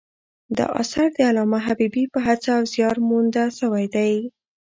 دا اثر د علامه حبیبي په هڅه او زیار مونده سوی دﺉ.